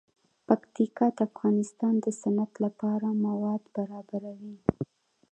پکتیکا د افغانستان د صنعت لپاره مواد برابروي.